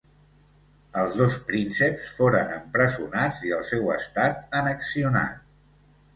Els dos prínceps foren empresonats i el seu estat annexionat.